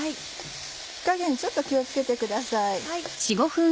火加減ちょっと気を付けてください。